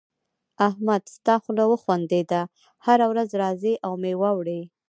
احمد ستا خوله وخوندېده؛ هر ورځ راځې او مېوه وړې.